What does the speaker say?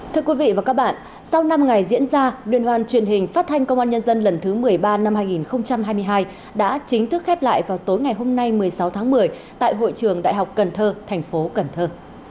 thưa quý vị và các bạn sau năm ngày diễn ra liên hoan truyền hình phát thanh công an nhân dân lần thứ một mươi ba năm hai nghìn hai mươi hai đã chính thức khép lại vào tối ngày hôm nay một mươi sáu tháng một mươi tại hội trường đại học cần thơ thành phố cần thơ